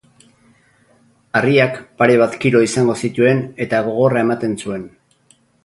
Harriak pare bat kilo izango zituen eta gogorra ematen zuen.